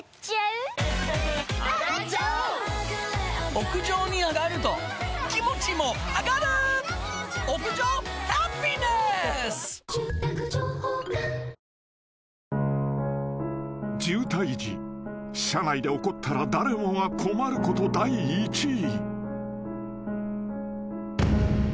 他のもよろしく［渋滞時車内で起こったら誰もが困ること第１位］